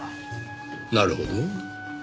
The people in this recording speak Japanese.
なるほど。